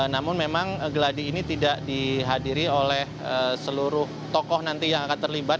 namun memang geladi ini tidak dihadiri oleh seluruh tokoh nanti yang akan terlibat